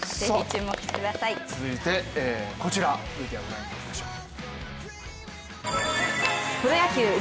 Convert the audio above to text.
続いてこちら、ＶＴＲご覧いただきましょう。